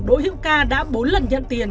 đỗ hiệu ca đã bốn lần nhận tiền